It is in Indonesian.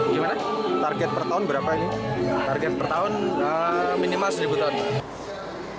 gimana target per tahun berapa ini target per tahun minimal seribu ton